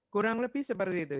kurang lebih seperti itu